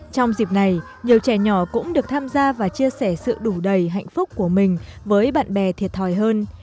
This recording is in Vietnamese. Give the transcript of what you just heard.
trong dịp này nhiều trẻ nhỏ cũng được tham gia và chia sẻ sự đủ đầy hạnh phúc của mình với bạn bè thiệt thòi hơn